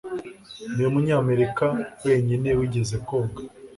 Niwe munyamerika wenyine wigeze koga